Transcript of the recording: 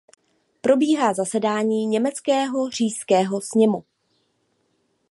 Probíhá zasedání německého Říšského sněmu.